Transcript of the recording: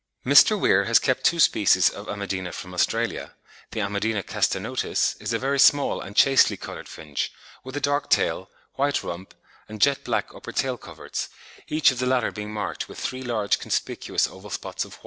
Mr. Weir has kept two species of Amadina from Australia: the A. castanotis is a very small and chastely coloured finch, with a dark tail, white rump, and jet black upper tail coverts, each of the latter being marked with three large conspicuous oval spots of white.